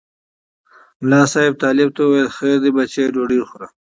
ملا صاحب طالب ته وویل خیر دی بچیه ډوډۍ وخوره.